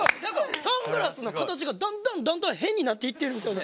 サングラスの形がだんだんだんだん変になっていってるんですよね。